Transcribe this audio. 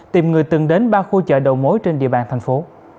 tìm người từng đến ba khu chợ đầu mối trên địa bàn thành phố